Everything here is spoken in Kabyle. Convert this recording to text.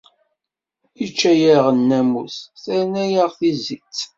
Yečča-yaɣ nnamus, terna-yaɣ tizit.